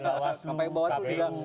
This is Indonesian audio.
kamu pilih bawaslu kpu